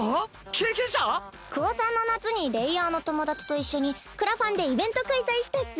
⁉経験者⁉高３の夏にレイヤーの友達と一緒にクラファンでイベント開催したっス。